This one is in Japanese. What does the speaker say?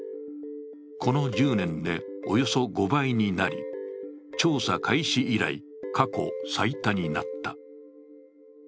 この１０年でおよそ５倍になり、調査開始以来、過去最多になった。